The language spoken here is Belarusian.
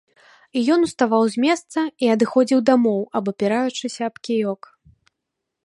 І ён уставаў з месца і адыходзіў дамоў, абапіраючыся аб кіёк.